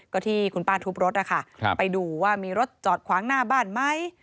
ก็ที่คุณป้าทุบรถนะคะไปดูว่ามีรถจอดขวางหน้าบ้านไหม